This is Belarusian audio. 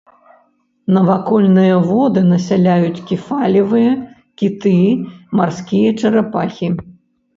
Навакольныя воды насяляюць кефалевыя, кіты, марскія чарапахі.